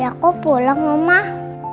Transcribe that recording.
ya aku pulang omah